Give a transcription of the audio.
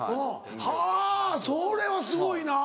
はぁそれはすごいな。